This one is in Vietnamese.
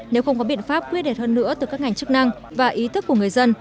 nếu không có biện pháp quyết đẹp hơn nữa từ các ngành chức năng và ý thức của người dân